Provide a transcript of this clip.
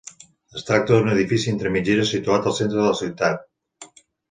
Es tracta d'un edifici entre mitgeres situat al centre de la ciutat.